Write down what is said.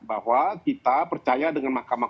bahwa kita percaya dengan mahkamah